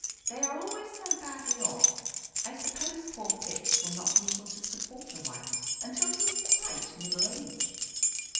They are always so badly off. I suppose poor Fitz will not be able to support a wife until he is quite middle aged."